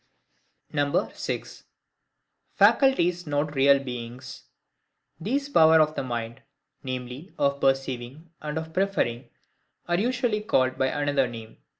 6. Faculties not real beings. These powers of the mind, viz. of perceiving, and of preferring, are usually called by another name.